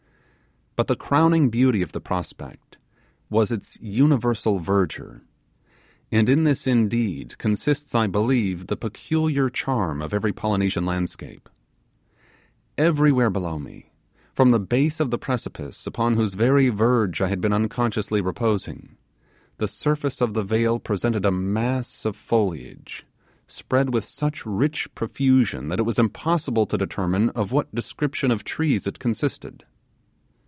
But the crowning beauty of the prospect was its universal verdure; and in this indeed consists, I believe, the peculiar charm of every Polynesian landscape. Everywhere below me, from the base of the precipice upon whose very verge I had been unconsciously reposing, the surface of the vale presented a mass of foliage, spread with such rich profusion that it was impossible to determine of what description of trees it consisted.